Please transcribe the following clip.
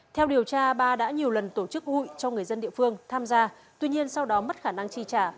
theo điều tra ba đã nhiều lần tổ chức hụi cho người dân địa phương tham gia tuy nhiên sau đó mất khả năng chi trả